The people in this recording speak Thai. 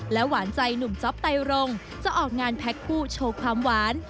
หวานใจหนุ่มจ๊อปไตรงจะออกงานแพ็คคู่โชว์ความหวาน